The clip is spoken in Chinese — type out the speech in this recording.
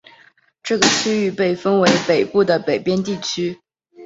这个区域被分为北边的北部地区。